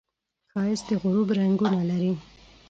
ښایست د غروب رنګونه لري